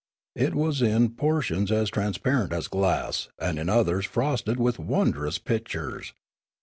It was in portions as transparent as glass, and in others frosted with wondrous pictures.